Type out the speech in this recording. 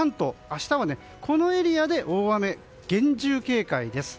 明日は、このエリアで大雨に厳重警戒。